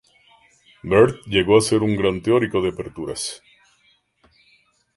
Bird llegó a ser un gran teórico de aperturas.